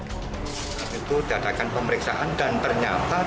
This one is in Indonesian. kami sudah datangkan pemeriksaan dan pernyataan